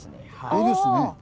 これですね。